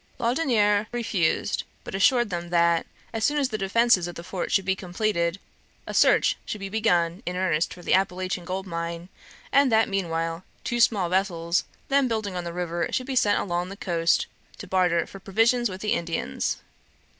Laudonniere refused, but assured them that, as soon as the defences of the fort should be completed, a search should be begun in earnest for the Appalachian gold mine, and that meanwhile two small vessels then building on the river should be sent along the coast to barter for provisions with the Indians.